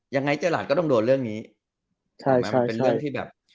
ยังไงเจอหลานก็ต้องโดนเรื่องนี้ใช่ไหมมันเป็นเรื่องที่แบบ